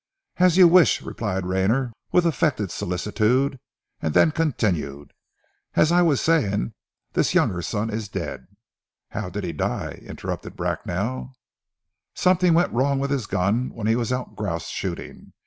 "As you wish," replied Rayner with affected solicitude, and then continued, "As I was saying, this younger son is dead " "How did he die?" interrupted Bracknell. "Something went wrong with his gun when he was out grouse shooting.